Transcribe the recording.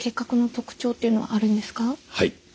はい。